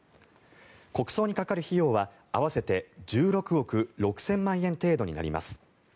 国葬にかかる費用は合わせて１６億６０００万円程度になります。